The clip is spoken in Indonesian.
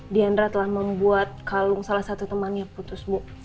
diandra telah membuat kalung salah satu temannya putus bu